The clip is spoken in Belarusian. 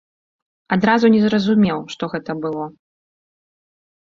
Адразу не зразумеў, што гэта было.